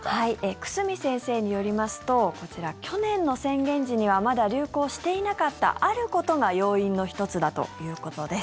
久住先生によりますとこちら、去年の宣言時にはまだ流行していなかったあることが要因の１つだということです。